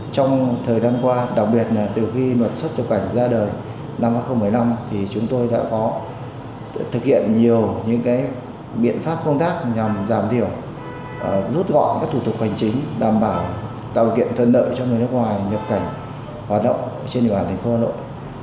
trong thời gian qua đặc biệt là từ khi mà xuất nhập cảnh ra đời năm hai nghìn một mươi năm thì chúng tôi đã có thực hiện nhiều những biện pháp công tác nhằm giảm thiểu rút gọn các thủ tục hành chính đảm bảo tạo điều kiện thuận lợi cho người nước ngoài nhập cảnh hoạt động trên địa bàn thành phố hà nội